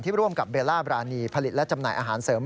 ร่วมกับเบลล่าบรานีผลิตและจำหน่ายอาหารเสริม